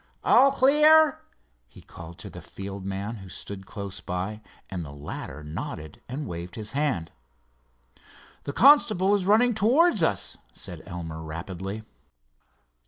"All clear?" he called to the field man who stood close by, and the latter nodded and waved his hand. "The constable is running towards us," said Elmer rapidly.